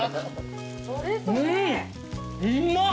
うんうまっ！